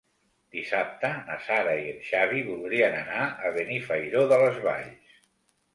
Dissabte na Sara i en Xavi voldrien anar a Benifairó de les Valls.